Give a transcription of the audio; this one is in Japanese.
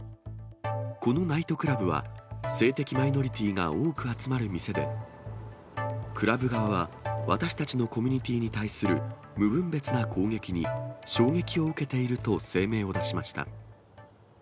このナイトクラブは、性的マイノリティーが多く集まる店で、クラブ側は、私たちのコミュニティーに対する無分別な攻撃に衝撃を受けていると声明を出しました。